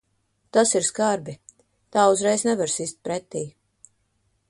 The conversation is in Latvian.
Tas ir skarbi. Tā uzreiz nevar sist pretī.